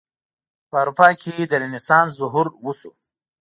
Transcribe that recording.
په اروپا کې د رنسانس ظهور وشو.